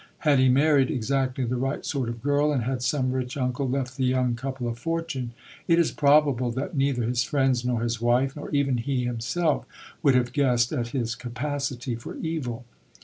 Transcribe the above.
Had he married exactly the right sort of girl, and had some rich uncle left the young couple a fortune, it is probable that neither his friends, nor his wife, nor even he himself, would have guessed at his capacity for evil.